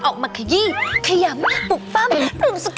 ออกมาขยี่ขยำปุ๊บปั้มลึงสกัด